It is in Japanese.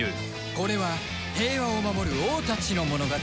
これは平和を守る王たちの物語